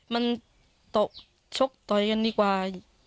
มันตกชกต่อยกันดีกว่า